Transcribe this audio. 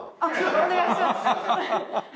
お願いします。